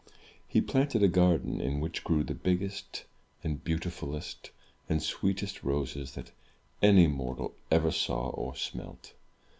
He planted a garden, in which grew the biggest and beautifuUest and sweetest roses that any mortal ever saw or smelt.